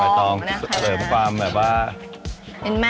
วางใบปลองแล้วลอง